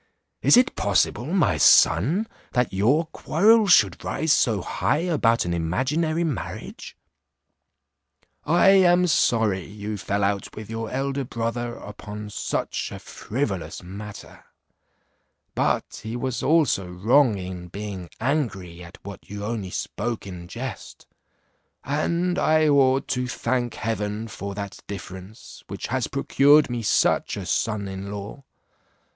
Is it possible, my son, that your quarrel should rise so high about an imaginary marriage? I am sorry you fell out with your elder brother upon such a frivolous matter; but he was also wrong in being angry at what you only spoke in jest, and I ought to thank heaven for that difference which has procured me such a son in law.